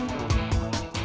tidak ada yang bisa dikunci